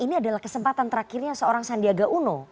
ini adalah kesempatan terakhirnya seorang sandiaga uno